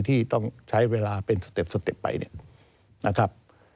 ที่ต้องใช้เวลาเป็นสเต็ปไปครับ